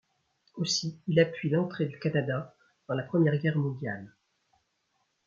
Aussi, il appuie l'entrée du Canada dans la Première Guerre mondiale.